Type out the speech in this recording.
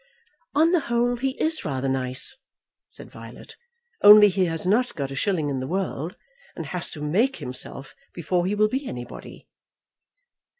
"On the whole, he is rather nice," said Violet; "only he has not got a shilling in the world, and has to make himself before he will be anybody."